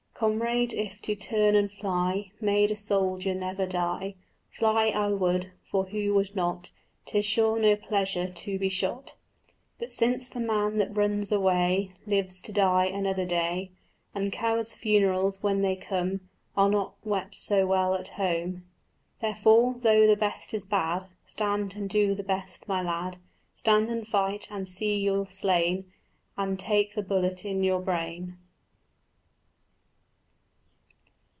'" "Comrade, if to turn and fly Made a soldier never die, Fly I would, for who would not? 'Tis sure no pleasure to be shot." "But since the man that runs away Lives to die another day, And cowards' funerals, when they come Are not wept so well at home." "Therefore, though the best is bad, Stand and do the best my lad; Stand and fight and see your slain, And take the bullet in your brain."